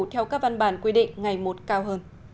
theo các văn bản quy định ngày một cao hơn